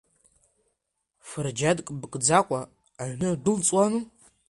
Фырџьанк мкӡакәа, аҩны удәылҵуану?!